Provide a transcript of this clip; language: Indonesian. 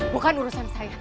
bukan urusan saya